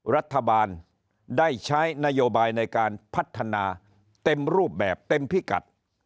รัฐบาลได้ใช้นโยบายในการพัฒนาเต็มรูปแบบเต็มพิกัด